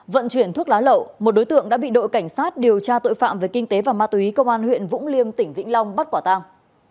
vận chuyển thuốc lá lậu một đối tượng đã bị đội cảnh sát điều tra tội phạm về kinh tế và ma túy công an huyện vũng liêm tỉnh vĩnh long bắt quả tàng